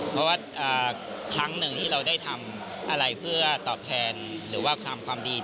เพราะว่าครั้งหนึ่งที่เราได้ทำอะไรเพื่อตอบแทนหรือว่าทำความดี